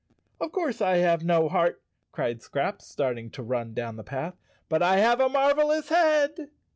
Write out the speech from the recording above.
" Of course I have no heart," cried Scraps, starting to run down the path, "but I have a marvelous head."